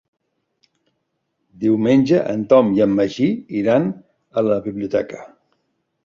Diumenge en Tom i en Magí iran a la biblioteca.